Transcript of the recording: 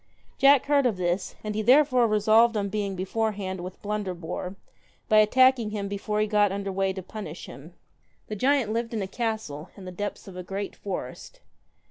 Jack heard of this, and he therefore resolved on being beforehand with Blunderbore, by attacking him before he got under way to punish him. The giant lived in a castle in the depths of a great forest.